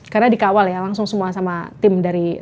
karena dikawal ya langsung semua sama tim